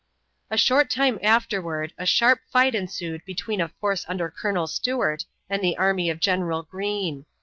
A short time afterward a sharp fight ensued between a force under Colonel Stewart and the army of General Greene.